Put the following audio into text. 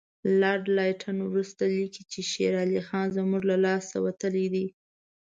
لارډ لیټن وروسته لیکي چې شېر علي زموږ له لاسه وتلی دی.